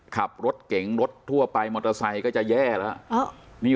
ขับรถเก๋งรถทั่วไปมอเตอร์ไซท์ก็จะแย่เหอะนี่